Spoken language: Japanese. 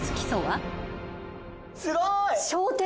すごい！